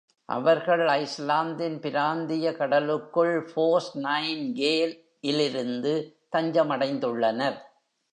அவர்கள் ஐஸ்லாந்தின் பிராந்திய கடலுக்குள் force nine gale இலிருந்து தஞ்சமடைந்துள்ளனர்.